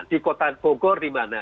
di kota bogor di mana